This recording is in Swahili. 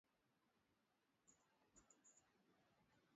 Alishuka kwenye ndege akiwa na begi lake dogo la mgongoni